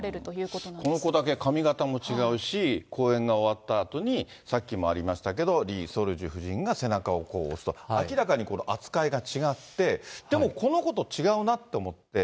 この子だけ髪形も違うし、公演が終わったあとにさっきもありましたけど、リ・ソルジュ夫人が背中を押すと、明らかに扱いが違って、でもこの子と違うなって思って。